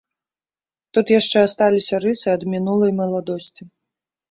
Тут яшчэ асталіся рысы ад мінулай маладосці.